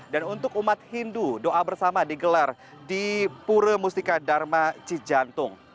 dan untuk umat hindu doa bersama digelar di pura mustika dharma cijantung